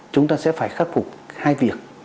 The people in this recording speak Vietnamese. chúng ta sẽ phải khắc phục hai việc